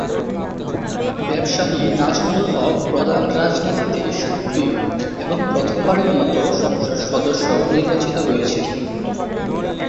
ব্যবসায়ী নাজমুল হক প্রধান রাজনীতিতে সক্রিয় এবং প্রথমবারের মতো সংসদ সদস্য নির্বাচিত হয়েছেন।